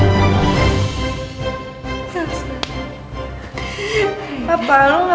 gue gak mau keliatan lagi